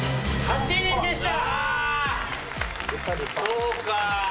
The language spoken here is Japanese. そうか。